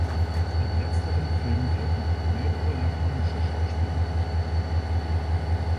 In letzterem Film wirken auch mehrere japanische Schauspieler mit.